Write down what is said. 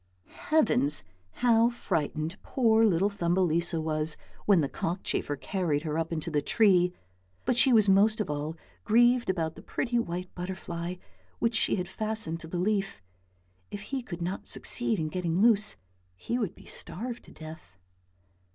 Heavens! how frightened poor little Thumbelisa was when THUMBELISA 71 the cockchafer carried her up into the tree, but she was most of all grieved about the pretty white butterfly which she had fastened to the leaf; if he could not succeed in getting loose he would be starved to death.